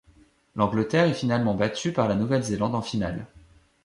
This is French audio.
L'Angleterre est finalement battue par la Nouvelle-Zélande en finale.